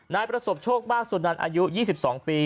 นายประสบโชคมากสุนันอายุ๒๒ปี